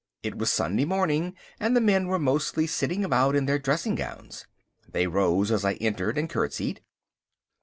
It was Sunday morning, and the men were mostly sitting about in their dressing gowns. They rose as I entered and curtseyed.